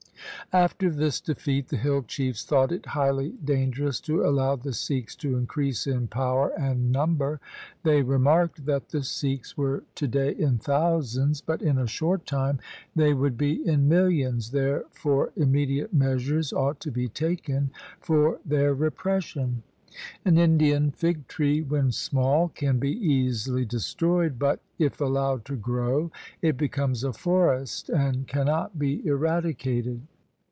After this defeat, the hill chiefs thought it highly dangerous to allow the Sikhs to increase in power and number. They remarked that the Sikhs were to day in thousands, but in a short time they LIFE OF GURU GOBIND SINGH 121 would be in millions, therefore immediate measures ought to be taken for their repression. An Indian fig tree when small can be easily destroyed, but, if allowed to grow, it becomes a forest and cannot be eradicated.